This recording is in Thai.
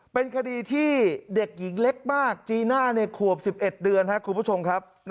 เป็นคดีที่เด็กหญิงเล็กมากจีน่าในขวบ๑๑เดือนครับคุณผู้ชมครับ